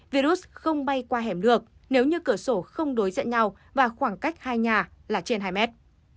virus không bay qua hẻm được nếu như cửa sổ không đối diện nhau và khoảng cách hai nhà là trên hai mét